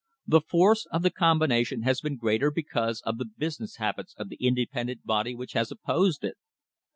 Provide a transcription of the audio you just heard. The force of the combination has been greater because of the business habits of the inde pendent body which has opposed it.